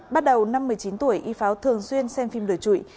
bắt đầu năm một mươi chín tuổi y pháo thường xuyên xem phim lửa trụi